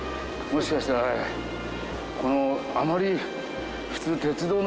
もしかしたらこのあまり普通なんかこう。